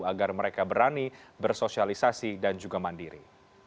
agar mereka berani bersosialisasi dan juga mandiri